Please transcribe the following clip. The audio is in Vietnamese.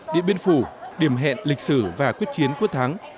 điện biên phủ điểm hẹn lịch sử và quyết chiến quyết thắng